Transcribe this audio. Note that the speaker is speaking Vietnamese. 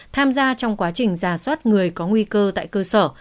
tham gia trong quá trình giả soát người có nguy cơ tại cơ sở